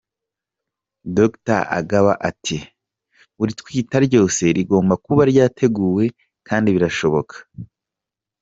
Dr Agaba ati “Buri twita ryose rigomba kuba ryateguwe kandi birashoboka”.